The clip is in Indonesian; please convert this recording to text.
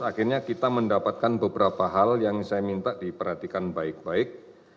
akhirnya kita mendapatkan beberapa hal yang saya minta diperhatikan baik baik